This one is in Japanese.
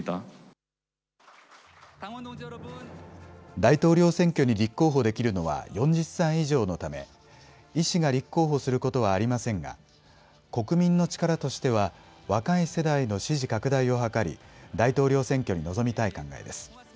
大統領選挙に立候補できるのは４０歳以上のためイ氏が立候補することはありませんが国民の力としては若い世代の支持拡大を図り大統領選挙に臨みたい考えです。